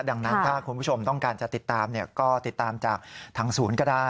ดังนั้นถ้าคุณผู้ชมต้องการจะติดตามก็ติดตามจากทางศูนย์ก็ได้